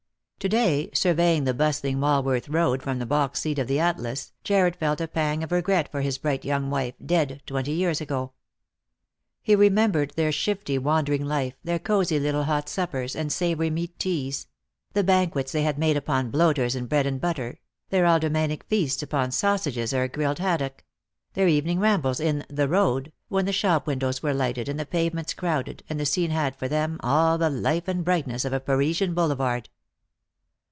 To day, surveying the bustling Walworth road from the box seat of the Atlas, Jarred felt a pang of regret for his bright young wife, dead twenty years ago. He remembered theii shifty wandering life, their cosy little hot suppers, and savoury meat teas ; the banquets they had made upon bloaters and bread and butter; their aldermanic feasts upon sausages or a grilled haddock ; their evening rambles in " the Road," when the shop windows were lighted and the pavements crowded, Lost for Love. 355 and the scene had, for them, all the life and brightness of a Parisian boulevard.